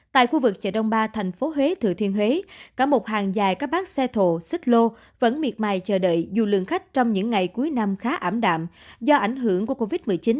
tại khu vực chợ đông ba thành phố huế thừa thiên huế cả một hàng dài các bác xe thổ xích lô vẫn miệt mài chờ đợi dù lượng khách trong những ngày cuối năm khá ảm đạm do ảnh hưởng của covid một mươi chín